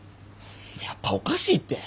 やっぱおかしいって。